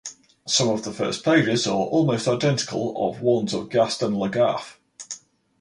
Some of the first pages are almost identical of ones of Gaston Lagaffe.